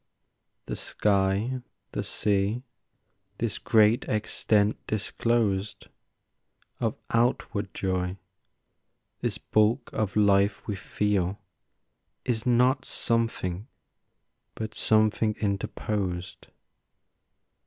The sky, the sea, this great extent disclosed Of outward joy, this bulk of life we feel, Is not something, but something interposed.